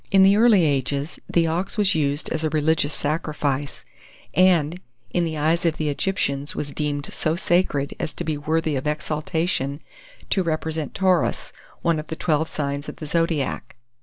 In the early ages, the ox was used as a religious sacrifice, and, in the eyes of the Egyptians was deemed so sacred as to be worthy of exaltation to represent Taurus, one of the twelve signs of the zodiac.